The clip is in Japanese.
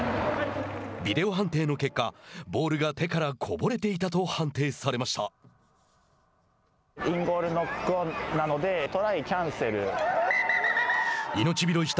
ビデオ判定の結果ボールが手からこぼれていたと判定されました。